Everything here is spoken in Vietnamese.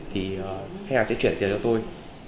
khách hàng sẽ chuyển tiền cho tôi